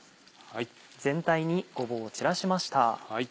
全体にごぼうを散らしました。